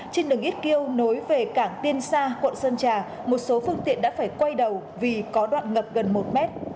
trên đường ít kiêu nối về cảng tiên sa quận sơn trà một số phương tiện đã phải quay đầu vì có đoạn ngập gần một mét